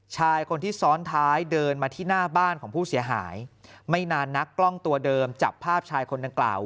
ชายคนที่ซ้อนท้ายเดินมาที่หน้าบ้านของผู้เสียหายไม่นานนักกล้องตัวเดิมจับภาพชายคนดังกล่าว